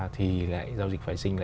thì lại giao dịch vệ sinh